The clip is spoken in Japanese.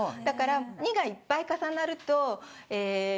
だから２がいっぱい重なると。